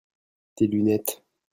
tes lunettes.